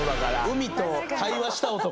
海と対話した男。